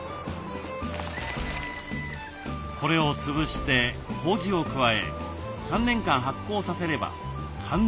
これを潰してこうじを加え３年間発酵させればかん